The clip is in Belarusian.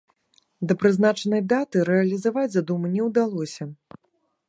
Да прызначанай даты рэалізаваць задуму не ўдалося.